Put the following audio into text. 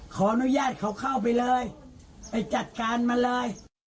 ขออนุญาตเขาเข้าไปเลยไปจัดการมาเลย